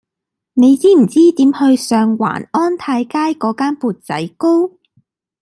你知唔知點去上環安泰街嗰間缽仔糕